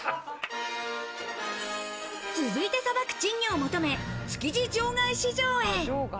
続いてさばく珍魚を求め、築地場外市場へ。